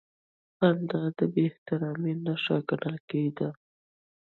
خندا د بېاحترامۍ نښه ګڼل کېده.